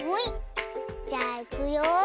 じゃあいくよ。